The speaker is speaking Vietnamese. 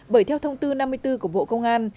bởi theo thông tư năm mươi bốn của bộ công an